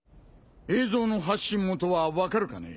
映像の発信元は分かるかね？